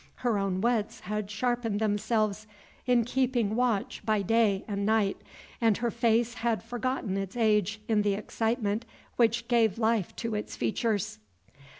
Her own wits had sharpened themselves in keeping watch by day and night, and her face had forgotten its age in the excitement which gave life to its features.